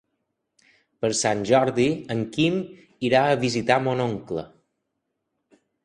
Per Sant Jordi en Quim irà a visitar mon oncle.